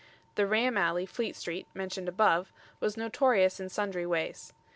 The Ram Alley, Fleet Street, mentioned above, was notorious in sundry ways.